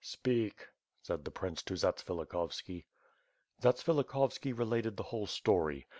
"Speak," said the prince to Zatsvilikhovski. Zatsvilikhovski related the whole story.